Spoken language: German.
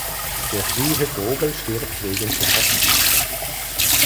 Der frühe Vogel stirbt wegen Schlafmangel.